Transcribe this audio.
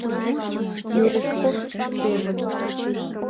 Мережковский семын